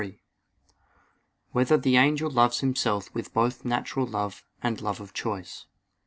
4] Whether the Angel Loves Himself with Both Natural Love, and Love of Choice?